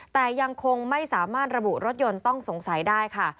แต่ยังคงไม่สามารถระบุรถยนต์ต้องสงสัยได้ค่ะ